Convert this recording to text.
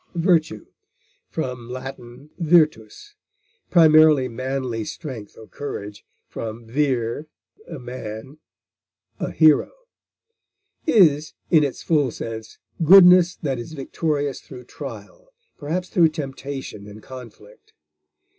Virtue (L. virtus, primarily manly strength or courage, from vir, a man, a hero) is, in its full sense, goodness that is victorious through trial, perhaps through temptation and conflict.